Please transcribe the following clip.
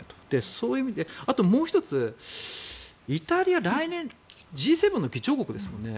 そういう意味であともう１つイタリア、来年Ｇ７の議長国ですもんね。